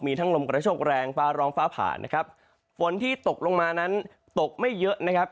มีทั้งลมกระโชคแรงฟ้าร้องฟ้าผ่านะครับฝนที่ตกลงมานั้นตกไม่เยอะนะครับ